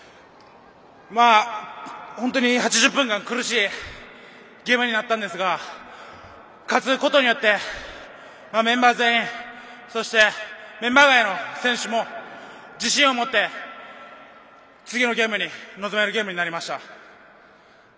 本当に８０分間苦しいゲームになったんですが勝つことによって、メンバー全員そして、メンバー外の選手も自信を持って次のゲームに臨めるゲームになりました。